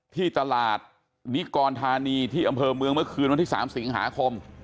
ที่ตลาดนิกรธานีที่อำเภอเมืองเมื่อคืนวันที่๓สิงหาคม